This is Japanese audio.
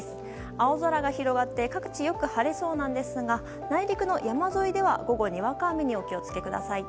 青空が広がって各地よく晴れそうなんですが内陸の山沿いでは午後にわか雨にお気を付けください。